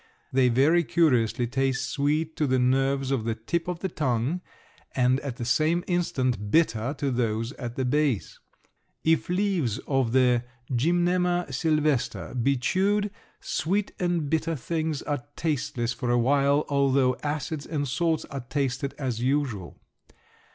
They very curiously taste sweet to the nerves of the tip of the tongue and at the same instant bitter to those at the base. If leaves of the Gymnema sylvestre be chewed, sweet and bitter things are tasteless for awhile although acids and salts are tasted as usual.